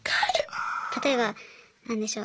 例えば何でしょう